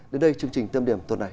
đến đây chương trình tâm điểm tuần này